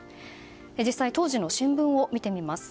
実際、当時の新聞を見てみます。